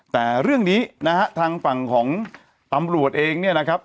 แต่เรื่องนี้นะฮะทางฝั่งของตำรวจเองเนี่ยนะครับ